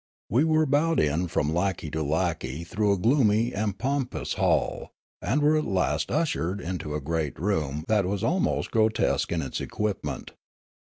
We were bowed in from lackey to lackey through a gloomy and pompous hall, and were at last ushered into a great room that was almost grotesque in its equipment.